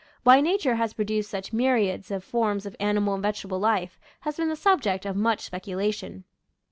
Why nature has produced such myriads of forms of animal and vegetable life has been the subject of much speculation.